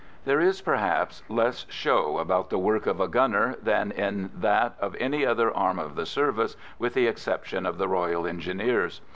There is, perhaps, less show about the work of a gunner than in that of any other arm of the service with the exception of the Royal Engineers.